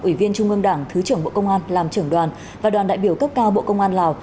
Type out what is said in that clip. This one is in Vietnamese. ủy viên trung ương đảng thứ trưởng bộ công an làm trưởng đoàn và đoàn đại biểu cấp cao bộ công an lào